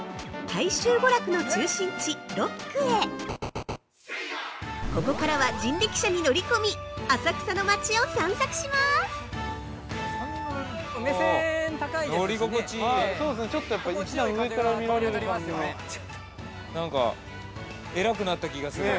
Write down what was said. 大衆娯楽の中心地「六区」へここからは人力車に乗り込み、浅草の街を散策します◆目線高いですね。